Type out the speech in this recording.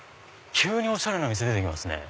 急におしゃれな店出て来ますね。